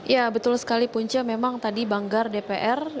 ya betul sekali punca memang tadi banggar dpr